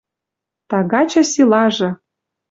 Тагачы силажы —